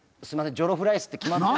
ジョロフライスって決まって。